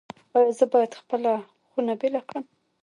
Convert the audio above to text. ایا زه باید خپله خونه بیله کړم؟